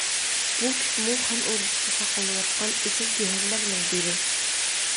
بۇ كۈپمۇ خان ئوردىسىدا ساقلىنىۋاتقان ئېسىل گۆھەرلەرنىڭ بىرى.